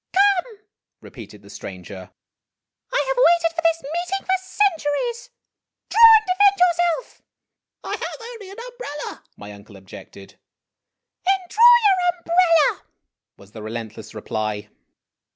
"Come," repeated the stranger; "I have waited for this meet ing for centuries. Draw and defend yourself! " I have only an umbrella," my uncle objected. "Then draw your umbrella!" was the relentless reply.